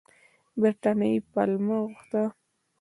برټانیې پلمه غوښته.